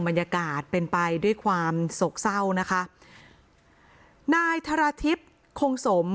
บรรยากาศเป็นไปด้วยความโศกเศร้านะคะนายธรทิพย์คงสม